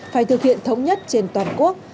phải thực hiện thống nhất trên toàn quốc